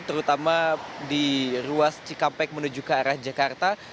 terutama di ruas cikampek menuju ke arah jakarta